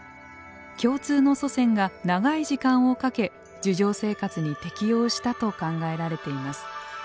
共通の祖先が長い時間をかけ樹上生活に適応したと考えられています。